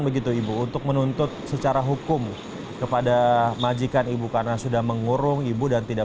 begitu ibu untuk menuntut secara hukum kepada majikan ibu karena sudah mengurung ibu dan tidak